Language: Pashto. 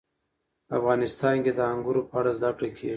په افغانستان کې د انګورو په اړه زده کړه کېږي.